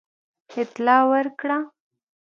اطلاع ورکړه.